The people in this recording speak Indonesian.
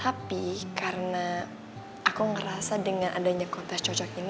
tapi karena aku ngerasa dengan adanya kontes cocok ini